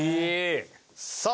さあ。